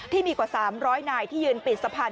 กว่า๓๐๐นายที่ยืนปิดสะพาน